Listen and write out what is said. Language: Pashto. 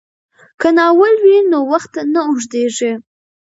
که ناول وي نو وخت نه اوږدیږي.